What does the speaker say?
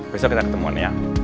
besok kita ketemuan ya